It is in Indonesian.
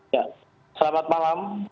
ya selamat malam